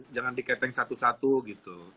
jangan diketeng satu satu gitu